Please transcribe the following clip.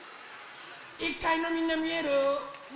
１かいのみんなみえる？